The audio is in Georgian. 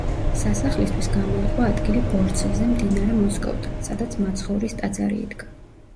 სასახლისთვის გამოიყო ადგილი ბორცვზე მდინარე მოსკოვთან, სადაც მაცხოვრის ტაძარი იდგა.